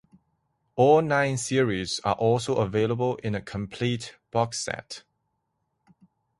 All nine series are also available in a complete boxset.